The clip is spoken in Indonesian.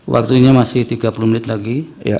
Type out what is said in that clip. waktu ini masih tiga puluh menit lagi